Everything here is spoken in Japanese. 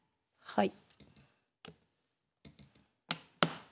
はい。